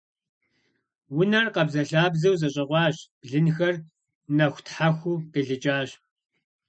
Унэр къабзэлъабзэу зэщӀэкъуащ, блынхэр нэхутхьэхуу къилыкӀащ.